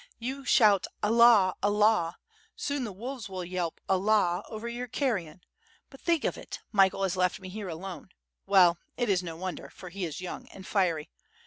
You shout, ^Allah, Allah!' soon the wolves will yelp 'Allah!' over your carrion; but think of it, Michael has left me here alone. Well, it is no wonder, for he is young and fiery.